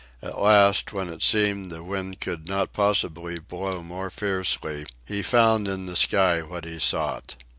At last, when it seemed the wind could not possibly blow more fiercely, he found in the sky what he sought.